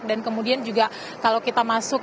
dan kemudian juga kalau kita masuk